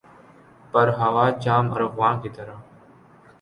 پر ہوا جام ارغواں کی طرح